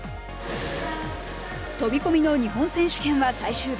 飛び込みの日本選手権は最終日。